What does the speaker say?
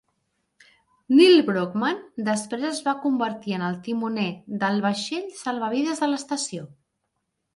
Nil Brockman després es va convertir en el timoner del vaixell salvavides de l'estació.